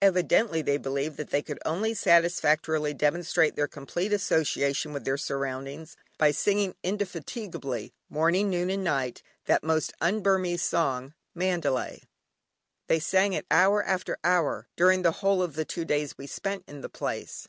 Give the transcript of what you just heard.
Evidently they believed that they could only satisfactorily demonstrate their complete association with their surroundings, by singing indefatigably, morning, noon, and night, that most un Burmese song, "Mandalay." They sang it hour after hour, during the whole of the two days we spent in the place.